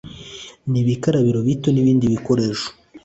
n'ibikarabiro bito n'ibindi bikoresho